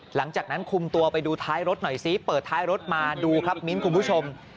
หลังจากนั้นคุมตัวไปดูท้ายรถหน่อยซิเปิดท้ายรถมาดูครับมิ้นคุณผู้ชม